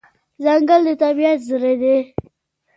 ځنګل د طبیعت زړه دی.